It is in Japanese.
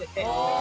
あ！